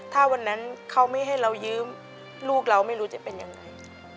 ถ้าวันนั้นเขาไม่ให้เรายืมลูกเราไม่รู้จะเป็นยังไง